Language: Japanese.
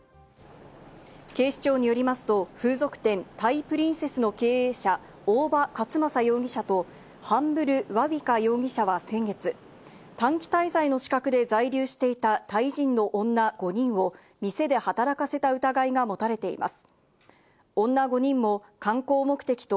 警視庁によりますと、風俗店ＴＨＡＩＰｒｉｎｃｅｓｓの経営者・大場勝成容疑者と、ハンブル・ワウィカ容疑者は先月、短期滞在の資格で在留していたタイ人の女５人を店で働かせた疑いが持たれています。